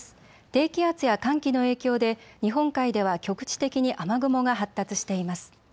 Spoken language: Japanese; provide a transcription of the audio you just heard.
低気圧や寒気の影響で日本海では局地的に雨雲が発達しています。